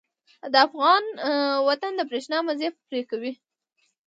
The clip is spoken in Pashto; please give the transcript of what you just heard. د افغان وطن د برېښنا مزی به پرې کوي.